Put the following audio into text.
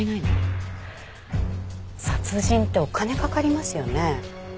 殺人ってお金かかりますよね？